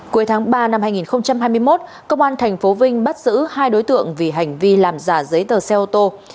cuối tháng ba năm hai nghìn hai mươi một công an tp vinh bắt giữ hai đối tượng vì hành vi làm giả giấy tờ xe ô tô